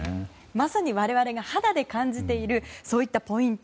まさに我々が肌で感じているそういったポイント。